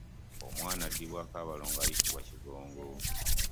Omwana adibwako abalongo ayitibwa Kigongo.